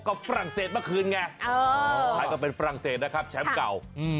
ก็ฝรั่งเศสเมื่อคืนไงไทยก็เป็นฝรั่งเศสนะครับแชมป์เก่า